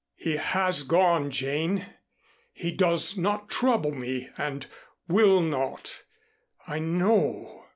"He has gone, Jane. He does not trouble me and will not, I know.